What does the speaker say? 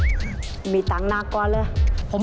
เปลี่ยนตัวเองกันสิเปลี่ยนตัวเองกันสิ